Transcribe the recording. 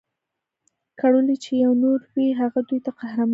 کړولي چي یې نور وي هغه دوی ته قهرمان وي